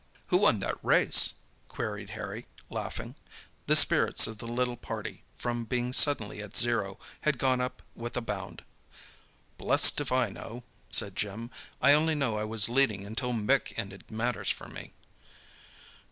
"Who won that race?" queried Harry, laughing. The spirits of the little party, from being suddenly at zero, had gone up with a bound. "Blessed if I know," said Jim. "I only know I was leading until Mick ended matters for me."